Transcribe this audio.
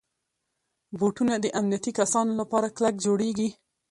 بوټونه د امنیتي کسانو لپاره کلک جوړېږي.